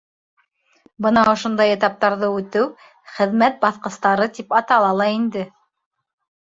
Бына ошондай этаптарҙы үтеү «хеҙмәт баҫҡыстары» тип атала ла инде.